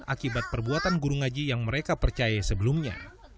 akibat perbuatan guru ngaji yang mereka percaya sebelumnya